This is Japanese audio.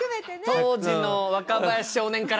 当時の若林少年からしたら。